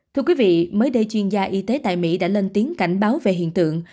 thưa quý vị mới đây chuyên gia y tế tại mỹ đã lên tiếng cảnh báo về hiện tượng